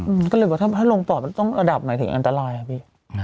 อืมก็เลยว่าถ้าลงปอดมันต้องอดับหน่อยถึงอันตรายครับพี่